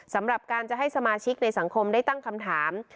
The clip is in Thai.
สำหรับการจะให้สมาชิกในสังคมได้ตั้งคำถาม